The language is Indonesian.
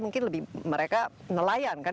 mungkin lebih mereka nelayan kan